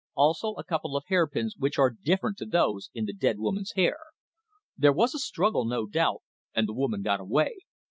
Also a couple of hair pins, which are different to those in the dead woman's hair. There was a struggle, no doubt, and the woman got away.